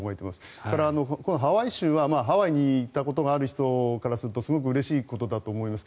それからハワイ州はハワイに行ったことがある人からするとすごくうれしいことだと思います。